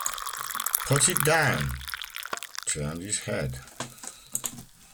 Put it down; turned his head.